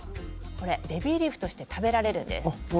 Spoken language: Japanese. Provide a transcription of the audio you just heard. ベビーリーフとして食べられるんです。